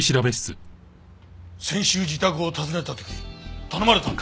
先週自宅を訪ねた時頼まれたんだ。